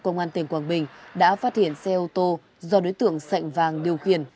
công an tỉnh quảng bình đã phát hiện xe ô tô do đối tượng sạnh vàng điều khiển